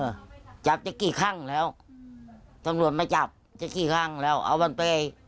จับจะกี่ครั้งแล้วตำรวจมาจับจะกี่ครั้งแล้วเอามันไป